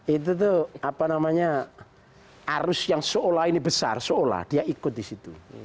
itu tuh apa namanya arus yang seolah ini besar seolah dia ikut di situ